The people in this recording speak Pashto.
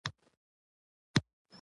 مېلې د ذهن او زړه ګډه خوشحاله يي.